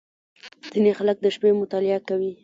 • ځینې خلک د شپې مطالعه کوي.